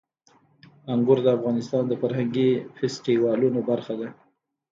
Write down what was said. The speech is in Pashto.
انګور د افغانستان د فرهنګي فستیوالونو برخه ده.